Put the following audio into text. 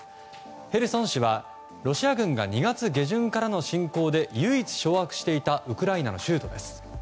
ヘルソン市はロシア軍が２月下旬からの侵攻で唯一、掌握していたウクライナの州都です。